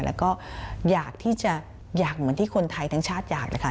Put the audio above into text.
แล้วก็อยากที่จะอยากเหมือนที่คนไทยทั้งชาติอยากนะคะ